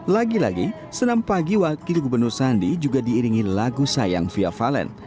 lagi lagi senam pagi wakil gubernur sandi juga diiringi lagu sayang fia valen